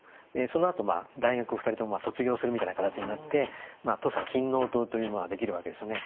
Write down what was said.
そのあと大学を２人とも卒業するみたいな形になって土佐勤王党というのができるわけですよね。